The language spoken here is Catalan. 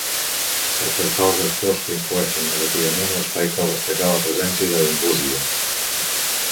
Pel que fa als factors que influencien negativament l'espai cal destacar la presència de gambúsia.